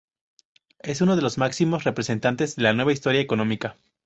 Es uno de los máximos representantes de la "nueva historia económica".